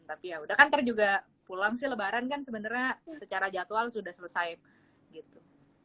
tapi ya udah kan tadi juga pulang sih lebaran kan sebenarnya secara jadwal sudah selesai gitu